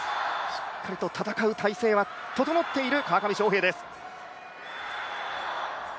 しっかりと戦う態勢は整っている川上翔平です。